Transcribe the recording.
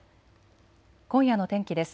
今夜の天気です。